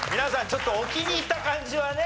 ちょっと置きにいった感じはね。